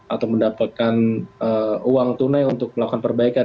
atau mendapatkan uang tunai untuk melakukan perbaikan